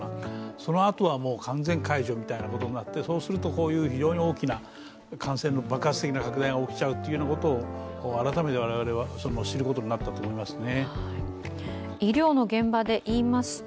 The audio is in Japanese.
そのあとは完全解除みたいなことになってそうすると、こういう非常に大きな感染の爆発が起きちゃうことは改めて我々は知ることになったと思いますね。